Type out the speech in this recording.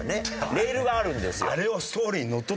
レールがあるんですよ。